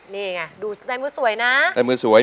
นี่ไงดูลายมือสวยและมือสวย